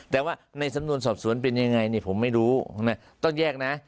แต่ว่าในสำนวนสอบสวนเป็นยังไงผมไม่รู้นะต้องแยกนะ